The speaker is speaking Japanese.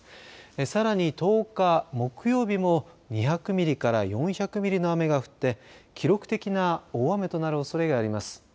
さらに、１０日木曜日も２００ミリから４００ミリの雨が降って記録的な大雨となるおそれがあります。